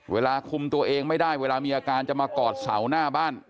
เวลาคุมตัวเองไม่ได้เวลามีอาการจะมากอดเสาหน้าบ้าน